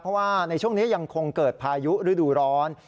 เพราะว่าในช่วงนี้ยังคงเกิดพายุฤดูร้อน